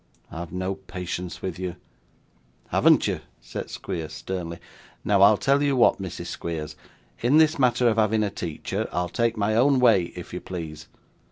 I've no patience with you.' 'Haven't you!' said Squeers, sternly. 'Now I'll tell you what, Mrs Squeers. In this matter of having a teacher, I'll take my own way, if you please.